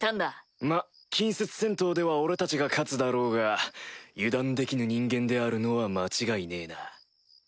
まっ近接戦闘では俺たちが勝つだろうが油断できぬ人間であるのは間違いねえな。